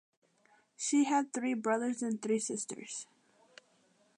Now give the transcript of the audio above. She had three brothers and three sisters.